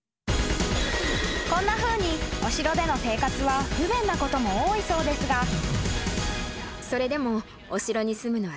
［こんなふうにお城での生活は不便なことも多いそうですが］